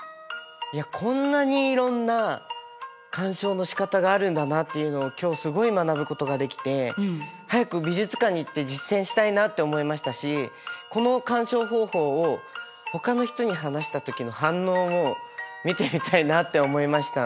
こんなにいろんな鑑賞のしかたがあるんだなっていうのを今日すごい学ぶことができて早く美術館に行って実践したいなって思いましたしこの鑑賞方法をほかの人に話した時の反応を見てみたいなって思いました。